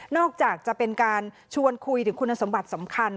อกจากจะเป็นการชวนคุยถึงคุณสมบัติสำคัญ